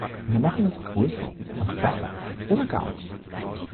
Wir machen es größer und besser oder gar nicht.